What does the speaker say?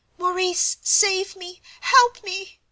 "Maurice, save me, help me!"